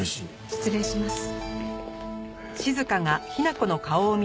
失礼します。